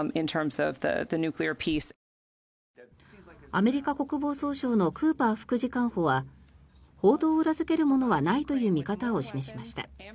アメリカ国防総省のクーパー副次官補は報道を裏付けるものはないという見方を示しました。